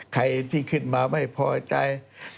ใครที่ขึ้นมาไม่พอใจ